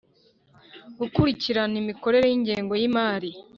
gukurikirana imikorere y ingengo y imari.